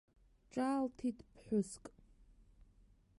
Ҿаалҭит ԥҳәыск.